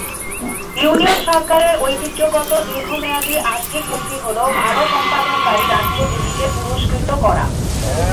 Union সরকারের ঐতিহ্যগত দীর্ঘমেয়াদী আর্থিক নীতি হ'ল ভাল-সম্পাদনকারী রাজ্যগুলিকে পুরস্কৃত করা।